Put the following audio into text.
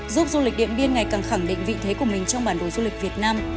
giúp du lịch điện biên ngày càng khẳng định vị thế của mình trong bản đồ du lịch việt nam